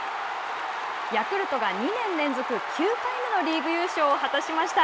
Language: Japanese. ヤクルトが２年連続９回目のリーグ優勝を果たしました。